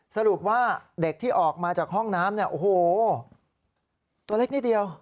สรุปว่าเด็กที่ออกมาจากห้องน้ำเนี่ยโอ้โหตัวเล็กนิดเดียว